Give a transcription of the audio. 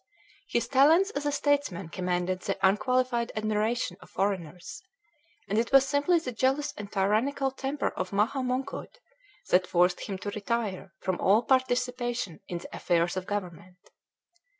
His talents as a statesman commanded the unqualified admiration of foreigners; and it was simply the jealous and tyrannical temper of Maha Mongkut that forced him to retire from all participation in the affairs of government.